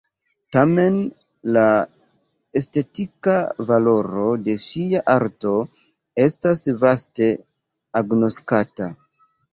Tamen la estetika valoro de ŝia arto estas vaste agnoskata.